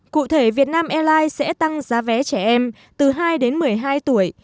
cụ thể việt nam airlines sẽ tăng giá vé trẻ em từ hai đến một mươi hai tuổi